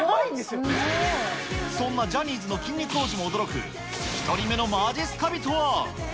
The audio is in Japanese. そんなジャニーズの筋肉王子も驚く、１人目のまじっすか人は。